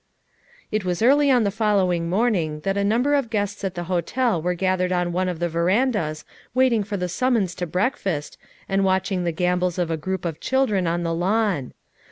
It was early on the following morning that a number of guests at the hotel were gathered on one of the verandas waiting for the sum mons to breakfast and watching the gambols of a group of children on the lawn.